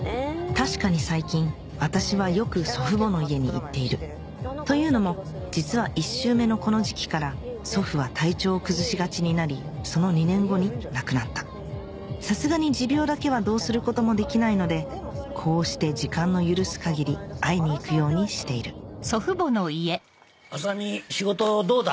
確かに最近私はよく祖父母の家に行っているというのも実は１周目のこの時期から祖父は体調を崩しがちになりその２年後に亡くなったさすがに持病だけはどうすることもできないのでこうして時間の許す限り会いに行くようにしている麻美仕事どうだ？